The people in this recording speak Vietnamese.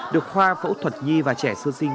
được khoa phẫu thuật nhi và trẻ sơ sinh